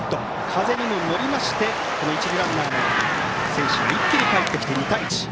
風にも乗りまして一塁ランナーが一気にかえってきて２対１。